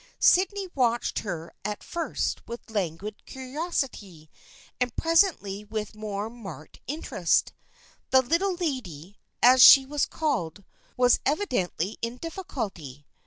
Sydney watched her at first with languid curiosity, and presently with more marked interest. The Little Lady, as she was called, was evidently in difficulty.